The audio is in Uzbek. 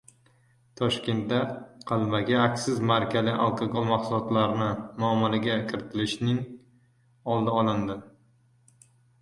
Toshkentda qalbaki aksiz markali alkogol mahsulotlarini muomalaga kiritilishining oldi olindi